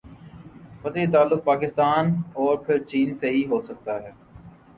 فطری تعلق پاکستان اور پھر چین سے ہی ہو سکتا ہے۔